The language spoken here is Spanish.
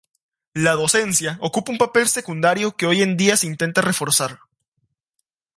La docencia ocupa un papel secundario que hoy en día se intenta reforzar.